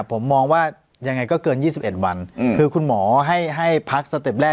ผมมองว่ายังไงก็เกินยี่สิบเอ็ดวันอืมคือคุณหมอให้ให้พักสเต็ปแรก